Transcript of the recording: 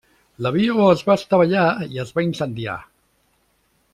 L'avió es va estavellar i es va incendiar.